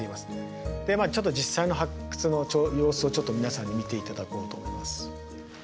でまあ実際の発掘の様子をちょっと皆さんに見て頂こうと思います。